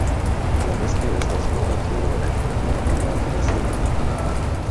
La nesto estas nuda truo en tundro aŭ arkta stepo.